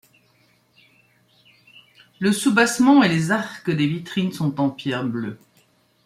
Le soubassement et les arcs des vitrines sont en pierre bleue.